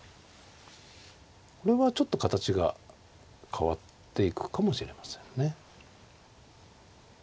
これはちょっと形が変わっていくかもしれませんね。